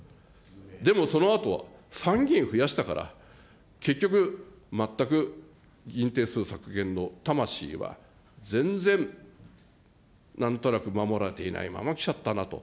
でもそのあと、参議院増やしたから、結局、全く議員定数削減の魂は全然、なんとなく守られていないままきちゃったなと。